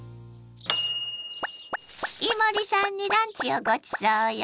伊守さんにランチをごちそうよ。